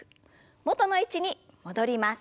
元の位置に戻ります。